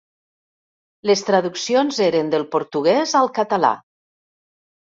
Les traduccions eren del portuguès al català.